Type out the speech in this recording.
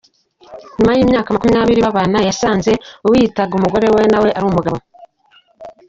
Nyuma y’imyaka makumyabiri babana, yasanze uwiyitaga umugore we nawe ari umugabo